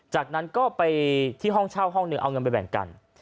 จากนั้นก็ไปที่ห้องเช่าห้องหนึ่งเอาเงินไปแบ่งกัน